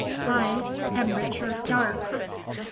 I am Richard Darke."